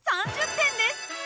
３０点です！